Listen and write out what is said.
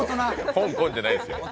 コンコンじゃないですよ。